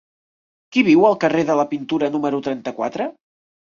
Qui viu al carrer de la Pintura número trenta-quatre?